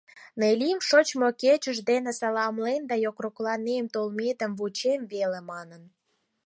Неллим шочмо кечыж дене саламлен да «йокрокланем, толметым вучем» веле манын.